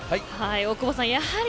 大久保さん。